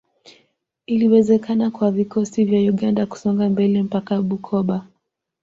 Iliwezekana kwa vikosi vya Uganda kusonga mbele mpaka Bukoba